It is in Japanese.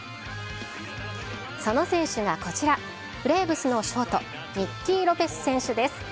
その選手がこちら、ブレーブスのショート、ニッキー・ロペス選手です。